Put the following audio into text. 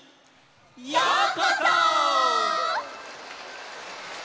ようこそ！